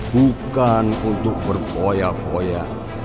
bukan untuk berpoya poya